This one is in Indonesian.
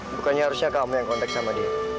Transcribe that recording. bukannya harusnya kamu yang kontak sama dia